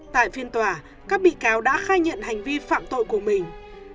tại phiên tòa các bị cáo đã khai nhận hành vi phạm tội của mình